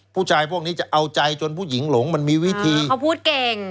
พวกนี้จะเอาใจจนผู้หญิงหลงมันมีวิธีเขาพูดเก่ง